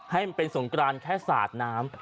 ให้มันเป็นสงกรานแค่สาดน้ำ